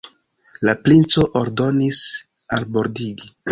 La princo ordonis albordigi.